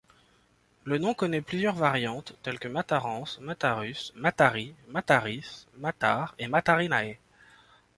Le nom connaît plusieurs variantes telles que Materense, Matarus, Matari, Mataris, Matar et Mataritanae.